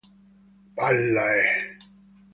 Palla eh!